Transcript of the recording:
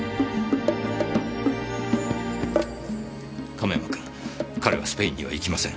亀山君彼はスペインには行きません。